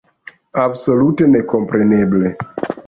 Absolute nekompreneble!